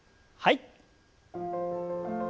はい。